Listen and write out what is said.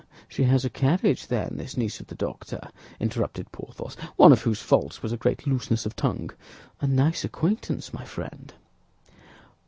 "Ah! She has a carriage, then, this niece of the doctor?" interrupted Porthos, one of whose faults was a great looseness of tongue. "A nice acquaintance, my friend!"